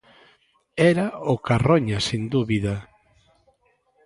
Era o Carroña sen dúbida.